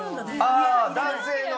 あ男性の。